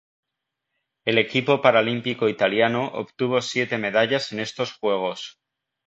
El equipo paralímpico italiano obtuvo siete medallas en estos Juegos.